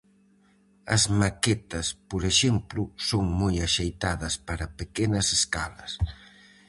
As maquetas por exemplo, son moi axeitadas para pequenas escalas.